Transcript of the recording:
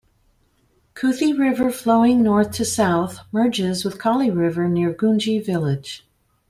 Kuthi River flowing north to south merges with Kali River near Gunji village.